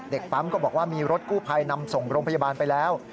ปั๊มก็บอกว่ามีรถกู้ภัยนำส่งโรงพยาบาลไปแล้ว